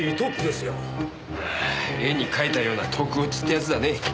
あ絵に描いたような特オチってやつだね。